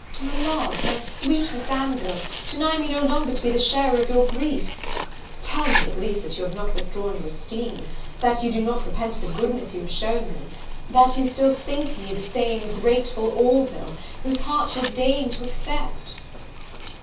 My love, my sweet Miss Anville, deny me no longer to be the sharer of your griefs! tell me, at least, that you have not withdrawn your esteem! that you do not repent the goodness you have shown me! that you still think me the same grateful Orville, whose heart you have deigned to accept!"